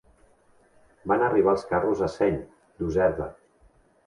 Van arribar els carros a seny, d'userda.